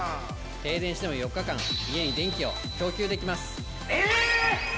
停電しても４日間家に電気を供給できます！